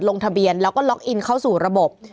ลงทะเบียนแล้วก็ล็อกอินเข้าสู่ระบบ